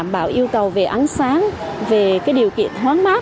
bảo yêu cầu về ánh sáng về cái điều kiện thoáng mát